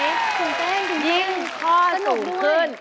ความตื่นเต้นจะยิ่งสูงขึ้น